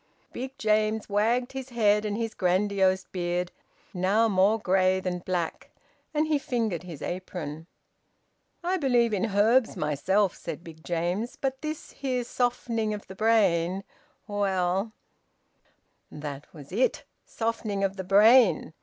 Big James wagged his head and his grandiose beard, now more grey than black, and he fingered his apron. "I believe in herbs myself," said Big James. "But this here softening of the brain well " That was it! Softening of the brain!